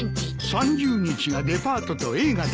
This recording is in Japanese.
３０日がデパートと映画だな。